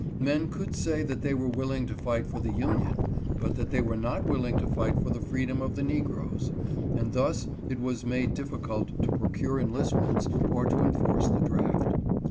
Men could say they were willing to fight for the Union, but that they were not willing to fight for the freedom of the negroes ; and thus it was made difficult to procure enlistments or to enforce the draft.